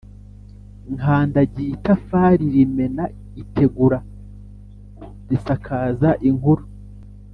Nkandagiye itafari rimena itegura risakaza inkuru